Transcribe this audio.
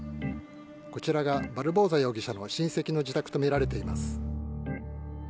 こちらがバルボサ容疑者の親戚の自宅とみられています。